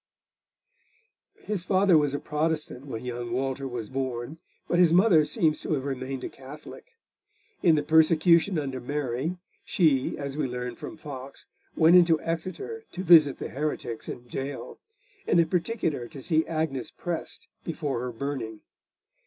His father was a Protestant when young Walter was born, but his mother seems to have remained a Catholic. In the persecution under Mary, she, as we learn from Foxe, went into Exeter to visit the heretics in gaol, and in particular to see Agnes Prest before her burning.